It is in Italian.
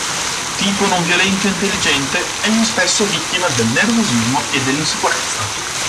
Tipo non-violento e intelligente, egli spesso è vittima del nervosismo e della insicurezza.